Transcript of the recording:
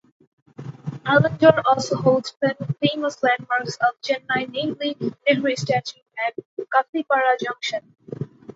Alandur also holds famous landmarks of Chennai namely Nehru Statue and Kathipara Junction.